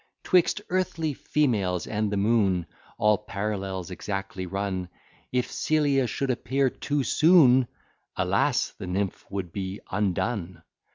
'Twixt earthly females and the moon, All parallels exactly run; If Celia should appear too soon, Alas, the nymph would be undone!